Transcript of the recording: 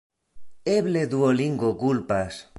Eble Duolingo kulpas.